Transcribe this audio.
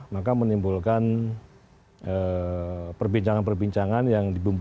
maka menimbulkan perbincangan perbincangan yang dibuka